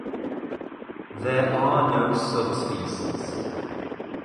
There are no subspecies.